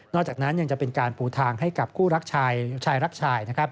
นอกจากนั้นยังจะเป็นการปูทางให้กับชายรักชาย